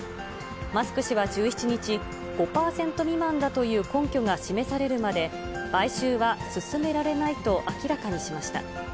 マスク氏は１７日、５％未満だという根拠が示されるまで、買収は進められないと明らかにしました。